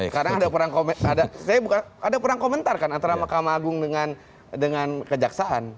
karena ada perang komentar kan antara mahkamah agung dengan kejaksaan